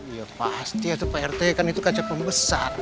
iya pasti ya pak rete kan itu kaca pembesar